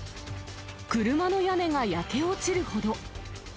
車の屋根が焼け落ちるほど。